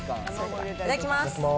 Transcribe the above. いただきます。